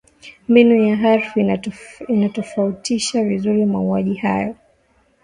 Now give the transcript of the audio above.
mbinu ya harff inatofautisha vizuri mauaji hayo